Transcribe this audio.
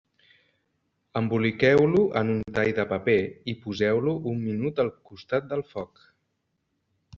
Emboliqueu-lo en un tall de paper i poseu-lo un minut al costat del foc.